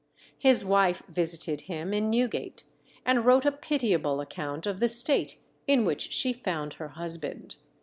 His wife visited him in Newgate, and wrote a pitiable account of the state in which she found her husband.